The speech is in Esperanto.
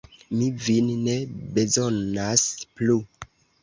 Mi vin ne bezonas plu.